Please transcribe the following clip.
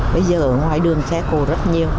bây giờ ở ngoài đường xe cộ rất nhiều